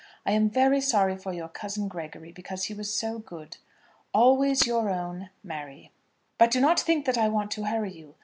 I am very sorry for your cousin Gregory, because he was so good. Always your own, MARY. But do not think that I want to hurry you.